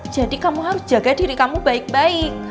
jadi kamu harus jaga diri kamu baik baik